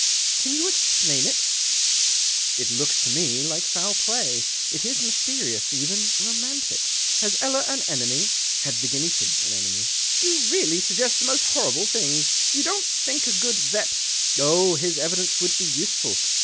Can you explain it ?"" It looks to me like foul play. It is nysterious — even romantic. Has Ella an nemy ? Had the guinea pigs an enemy ?"" You really suggest the most horrible hings. You don't think a good vet. "" Oh, his evidence would be useful.